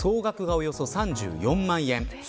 およそ３４万円。